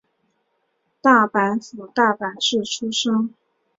大阪府大阪市出身。